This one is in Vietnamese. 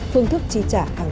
phương thức trị trả hàng tháng